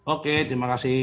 oke terima kasih